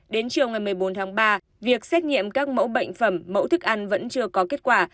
đến chiều ngày một mươi bốn tháng ba việc xét nghiệm các mẫu bệnh phẩm mẫu thức ăn vẫn chưa có kết quả